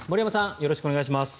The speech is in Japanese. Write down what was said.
よろしくお願いします。